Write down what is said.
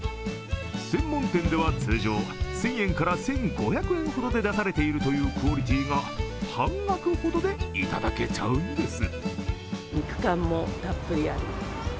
専門店では通常１０００円から１５００円ほどで出されているというクオリティーが半額ほどでいただけちゃうんです。